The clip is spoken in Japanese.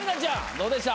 どうでした？